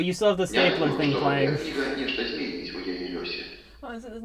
Не думаю, што гэтая кніга нешта зменіць у яе лёсе.